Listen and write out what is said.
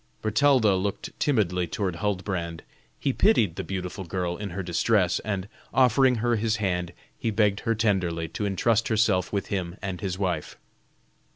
Bertalda looked timidly toward Huldbrand. He pitied the beautiful girl in her distress, and offering her his hand he begged her tenderly to intrust herself with him and his wife.